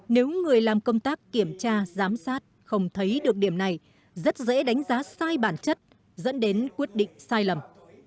nếu người làm công tác kiểm tra giám sát không thấy được điểm này rất dễ đánh giá sai bản chất dẫn đến quyết định sai lầm